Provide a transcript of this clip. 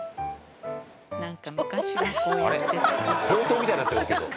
ほうとうみたいになってるんですけど」